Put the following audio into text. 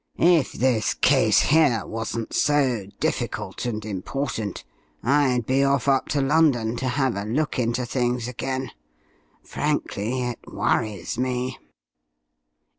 If this case here wasn't so difficult and important, I'd be off up to London to have a look into things again. Frankly, it worries me."